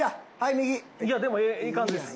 いやでもいい感じです。